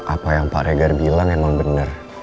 apa yang pak regar bilang emang bener